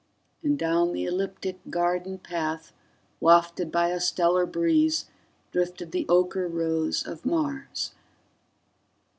And down the ecliptic garden path, wafted by a stellar breeze, drifted the ocher rose of Mars